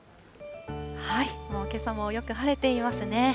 もうけさもよく晴れていますね。